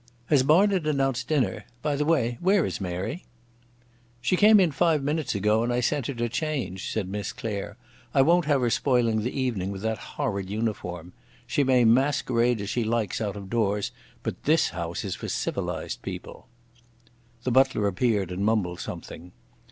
"Has Barnard announced dinner? By the way, where is Mary?" "She came in five minutes ago and I sent her to change," said Miss Claire. "I won't have her spoiling the evening with that horrid uniform. She may masquerade as she likes out of doors, but this house is for civilised people." The butler appeared and mumbled something.